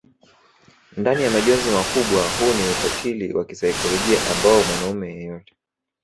ndani ya majonzi makubwa huu ni ukatili wa kisaikolojia ambao mwanaume yeyote